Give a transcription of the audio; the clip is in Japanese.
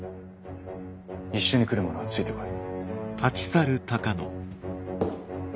一緒に来る者はついてこい。